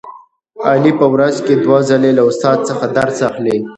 علي په ورځ کې دوه ځلې له استاد څخه درس اخلي.